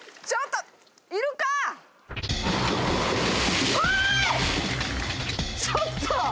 ちょっと！